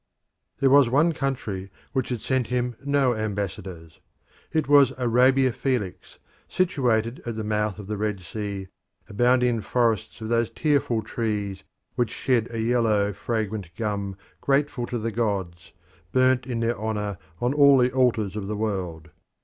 There was one country which had sent him no ambassadors. It was Arabia Felix, situated at the mouth of the Red Sea, abounding in forests of those tearful trees which shed a yellow, fragrant gum grateful to the gods, burnt in their honour on all the altars of the world.